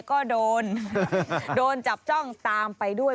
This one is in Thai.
ก็โดนโดนจับจ้องตามไปด้วย